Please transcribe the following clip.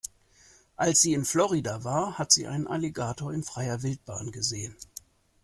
Als sie in Florida war, hat sie einen Alligator in freier Wildbahn gesehen.